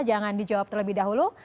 jangan dijawab terlebih dahulu